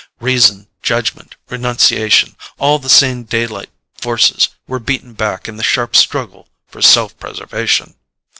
Reason, judgment, renunciation, all the sane daylight forces, were beaten back in the sharp struggle for self preservation.